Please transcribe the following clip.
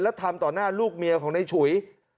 และทำต่อหน้าลูกเมียของในฉุย